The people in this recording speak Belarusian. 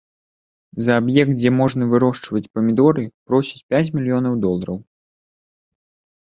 За аб'ект, дзе можна вырошчваць памідоры, просяць пяць мільёнаў долараў.